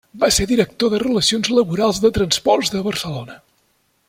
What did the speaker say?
Va ser director de relacions laborals de Transports de Barcelona.